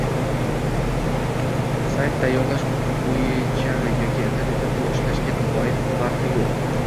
sayt tayyorlash bo’yichami yoki internetda pul ishlashga oidmi farqi yo’q